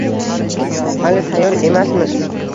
hali tayyor emasmiz»